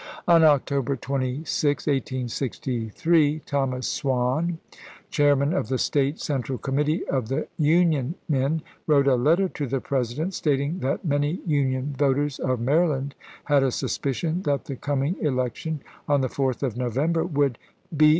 On October 26,1863, Thomas Swann, Chairman of the State Central Committee of the Union men, wrote a letter to the President stating that many Union voters of Maryland had a suspicion that the coming election, on the 4th of November, would " be ises.